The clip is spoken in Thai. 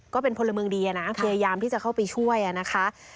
ก็เป็นพลเมืองดีอ่ะนะพยายามที่จะเข้าไปช่วยอ่ะนะคะ